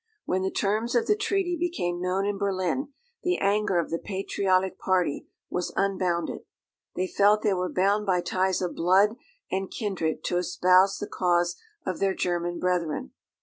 When the terms of the treaty became known in Berlin, the anger of the patriotic party was unbounded. They felt they were bound by ties of blood and kindred to espouse the cause of their German brethren.